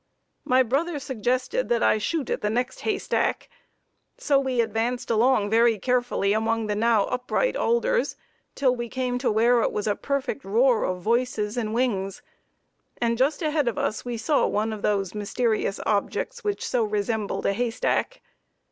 My brother suggested that I shoot at the next "haystack." So we advanced along very carefully among the now upright alders till we came to where it was a perfect roar of voices and wings, and just ahead of us we saw one of those mysterious objects which so resembled a haystack.